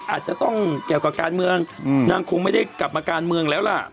อาจจะต้องเกี่ยวกับการเมืองนางคงไม่ได้กลับมาการเมืองแล้วล่ะ